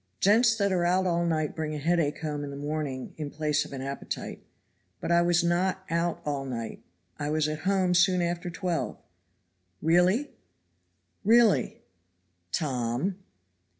"Gents that are out all night bring a headache home in the morning in place of an appetite." "But I was not out all night. I was at home soon after twelve." "Really?" "Really!" "Tom?"